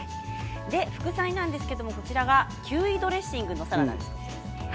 副菜はキウイドレッシングのサラダです。